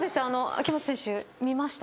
秋本選手見ました？